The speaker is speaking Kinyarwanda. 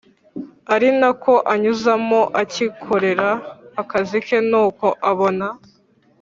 arinako anyuzamo akikorera akazi ke nuko abona